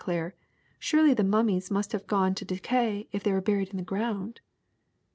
Claire, *^ surely the mummies must liave gone to de cay if they were buried in the ground !